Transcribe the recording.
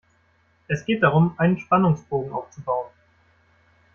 Es geht darum, einen Spannungsbogen aufzubauen.